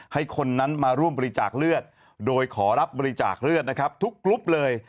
ให้คนนั้นมาร่วมบริจาคเลือดโดยขอรับบริจาคเลือดนะครับทุกกรุ๊ปเลย